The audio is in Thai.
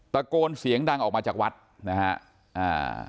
ตะโกนเสียงดังออกมาจากวัดนะฮะอ่า